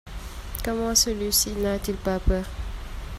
Comment celui-ci n'a-t-il pas peur?